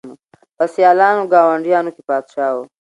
په سیالانو ګاونډیانو کي پاچا وو